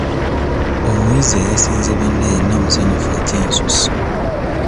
Omuyizi eyasinze banne yenna musanyufu ekyensusso.